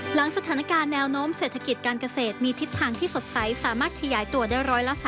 หลังสถานการณ์แนวโน้มเศรษฐกิจการเกษตรมีทิศทางที่สดใสสามารถขยายตัวได้๑๓